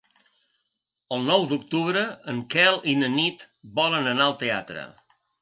El nou d'octubre en Quel i na Nit volen anar al teatre.